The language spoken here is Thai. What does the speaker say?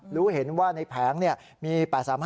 หรือเห็นว่าในแผงเนี่ยมี๘๓๕๕๓๘